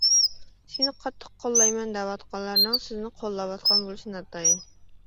‹سېنى قاتتىق قوللايمەن› دەۋاتقانلارنىڭ سىزنى قوللاۋاتقان بولۇشى ناتايىن.